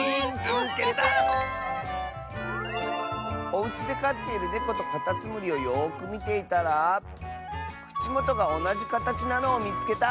「おうちでかっているネコとカタツムリをよくみていたらくちもとがおなじかたちなのをみつけた！」。